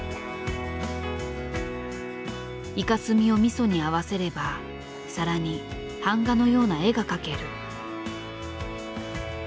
イカスミを味噌に合わせれば皿に版画のような絵が描ける。